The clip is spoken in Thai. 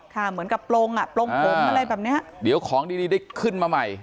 เหมือนกับโปรงอ่ะปลงผมอะไรแบบเนี้ยเดี๋ยวของดีดีได้ขึ้นมาใหม่